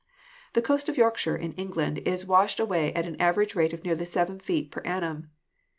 The coast of Yorkshire in England is washed away at an average rate of nearly seven feet per annum.